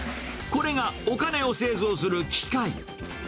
これがお金を製造する機械。